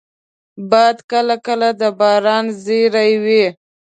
باد کله کله د باران زېری وي